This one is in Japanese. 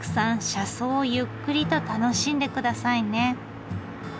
車窓をゆっくりと楽しんでくださいね。